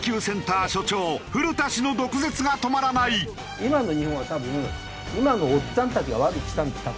今の日本は多分今のおっちゃんたちが悪くしたんです多分。